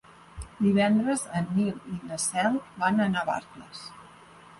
Divendres en Nil i na Cel van a Navarcles.